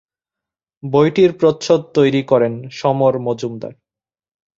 বইটির প্রচ্ছদ তৈরি করেন সমর মজুমদার।